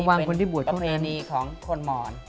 อันนี้เป็นประเพณีของคนหมอน